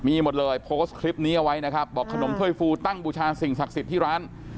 มีหมดเลยโพสต์คลิปนี้เอาไว้นะครับบอกขนมถ้วยฟูตั้งบูชาสิ่งศักดิ์สิทธิ์ที่ร้าน